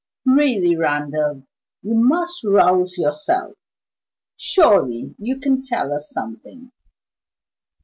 "Really, Randal, you must rouse yourself. Surely you can tell us something.